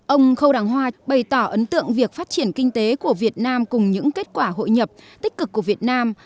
ông khâu đàng hoa bày tỏ ấn tượng việc phát triển kinh tế của việt nam cùng những kết quả hội nhập tích cực của việt nam